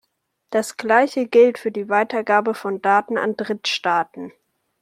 Das Gleiche gilt für die Weitergabe von Daten an Drittstaaten.